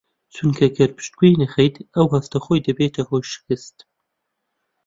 چونکە گەر پشتگوێی نەخەیت ئەو هەستە خۆی دەبێتە هۆی شکستت